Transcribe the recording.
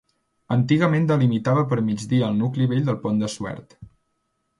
Antigament delimitava per migdia el nucli vell del Pont de Suert.